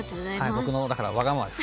僕のだからわがままです